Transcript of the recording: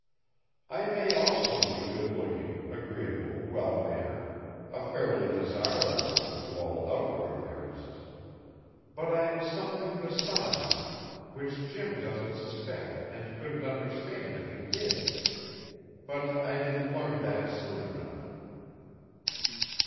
I may also be good looking, agreeable, well mannered a fairly desirable woman to all outward appearances but I'm something besides, which Jim doesn't suspect and couldn't understand if he did. But I didn't learn that soon enough."